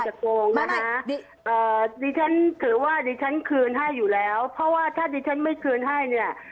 โกงนะคะดิฉันถือว่าดิฉันคืนให้อยู่แล้วเพราะว่าถ้าดิฉันไม่คืนให้เนี่ย